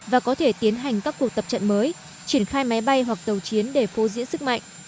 và có thể tiến hành các cuộc tập trận mới triển khai máy bay hoặc tàu chiến để phô diễn sức mạnh